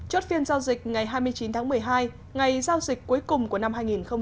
chốt phiên giao dịch ngày hai mươi chín tháng một mươi hai ngày giao dịch cuối cùng của năm hai nghìn hai mươi